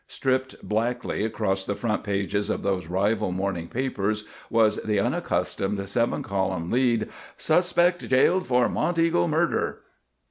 Stripped blackly across the front pages of those rival morning papers was the unaccustomed seven column head: SUSPECT JAILED FOR MONTEAGLE MURDER!